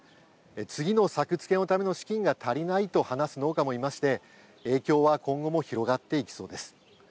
次の作付けのための資金が足りないと話す農家もいまして影響は今後も広がっていきそうです。